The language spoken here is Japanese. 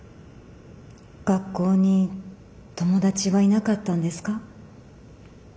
学校に友達はいなかったんですか？